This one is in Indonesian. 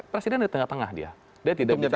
presiden di tengah tengah dia